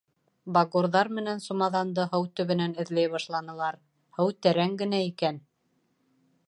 Багорҙар менән сумаҙанды һыу төбөнән эҙләй башланылар, һыу тәрән генә икән.